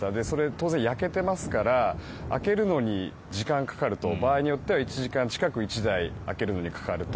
当然焼けてますから開けるのに時間がかかると場合によっては１時間近く１台を開けるのにかかると。